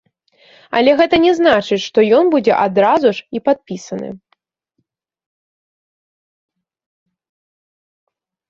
Але гэта не значыць, што ён будзе адразу ж і падпісаны.